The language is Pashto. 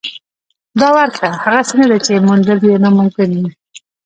دا ورکه هغسې نه ده چې موندل یې ناممکن وي.